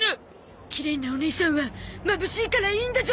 きれいなおねいさんはまぶしいからいいんだゾ。